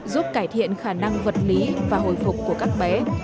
giúp cải thiện khả năng vật lý và hồi phục của các bé